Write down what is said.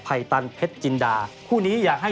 พี่แดงก็พอสัมพันธ์พูดเลยนะครับ